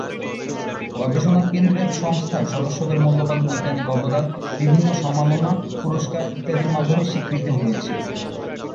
গবেষণা কেন্দ্রের সংস্থায় সদস্যদের মূল্যবান বৈজ্ঞানিক অবদান বিভিন্ন সম্মাননা, পুরস্কার ইত্যাদির মাধ্যমে স্বীকৃত হয়েছে।